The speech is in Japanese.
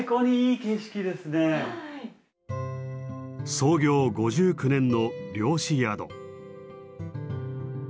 創業５９年の漁師宿。